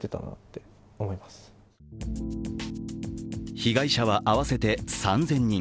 被害者は合わせて３０００人。